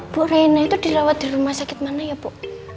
bu reina itu dirawat di rumah sakit mana ya bu